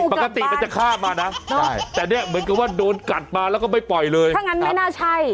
พี่หูกลับบ้านใช่